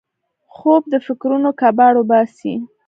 خوب د فکرونو کباړ وباسي